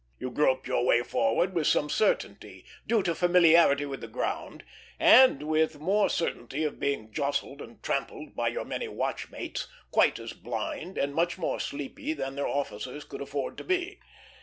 You groped your way forward with some certainty, due to familiarity with the ground, and with more certainty of being jostled and trampled by your many watch mates, quite as blind and much more sleepy than their officers could afford to be.